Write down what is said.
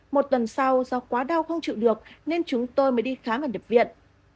một tuần sau do quá đau không chịu được nên chúng tôi mới đi khám và nhập viện